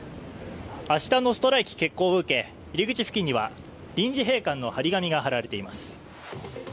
明日のストライキ決行を受け、入り口付近には臨時閉館の貼り紙が貼られています。